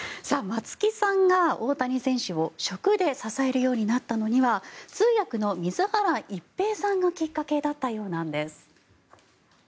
松木さんが大谷選手を食で支えるようになったのには通訳の水原一平さんがきっかけだったようなんです。